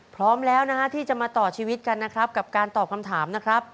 พร้อมแล้วนะฮะที่จะมาต่อชีวิตกันนะครับกับการตอบคำถามนะครับ